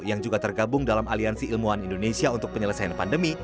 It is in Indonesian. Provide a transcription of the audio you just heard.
yang juga tergabung dalam aliansi ilmuwan indonesia untuk penyelesaian pandemi